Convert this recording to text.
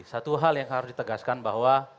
satu hal yang harus ditegaskan bahwa